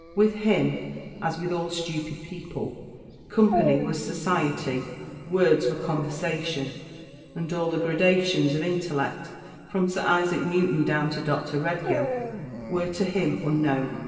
With him, as with all stupid people, company was society, words were conversation and all the gradations of intellect, from Sir Isaac Newton down to Dr. Redgill, were to him unknown.